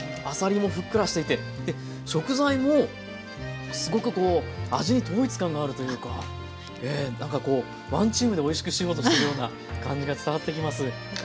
あさりもふっくらしていて食材もすごくこう味に統一感があるというかなんかこうワンチームでおいしくしようとしてるような感じが伝わってきます。